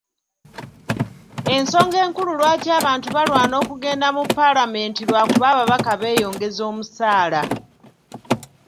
Ensonga enkulu lwaki abantu balwana okugenda mu Paalamenti lwakuba ababaka beeyongeza omusaala.